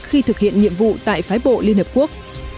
khi thực hiện nhiệm vụ tại phái bộ liên hợp quốc